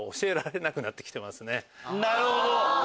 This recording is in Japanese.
なるほど！